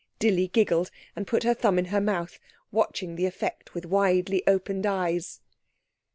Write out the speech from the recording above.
Dilly giggled, and put her thumb in her mouth, watching the effect with widely opened eyes.